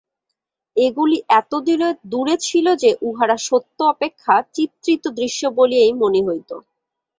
এগুলি এত দূরে ছিল যে, উহারা সত্য অপেক্ষা চিত্রিত দৃশ্য বলিয়াই মনে হইত।